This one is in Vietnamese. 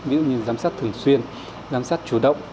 ví dụ như giám sát thường xuyên giám sát chủ động